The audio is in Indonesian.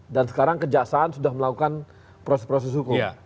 dan sekarang kejaksaan sudah melakukan proses proses hukum